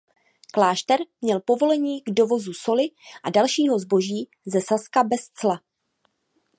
Klášter měl povolení k dovozu soli a dalšího zboží ze Saska bez cla.